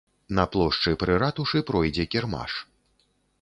На плошчы пры ратушы пройдзе кірмаш.